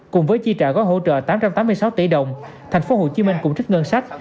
cùng với chi trả gói hỗ trợ tám trăm tám mươi sáu tỷ đồng thành phố hồ chí minh cũng trích ngân sách